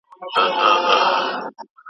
ستا د یادونو بوی به تل زما په فکر کې پاتې وي.